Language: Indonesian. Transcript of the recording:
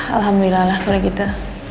alhamdulillah lah keren gitu